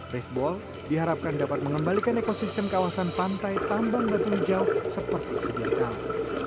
rifbol diharapkan dapat mengembalikan ekosistem kawasan pantai tambang batu hijau seperti sebelah kanan